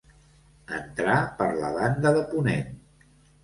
Entrar per la banda de ponent.